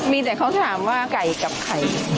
มีแต่ข้อมูลถามว่าไข่กับไข่